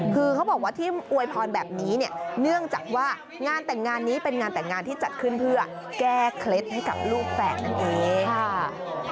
คือเขาบอกว่าที่อวยพรแบบนี้เนี่ยเนื่องจากว่างานแต่งงานนี้เป็นงานแต่งงานที่จัดขึ้นเพื่อแก้เคล็ดให้กับลูกแฝดนั่นเองค่ะ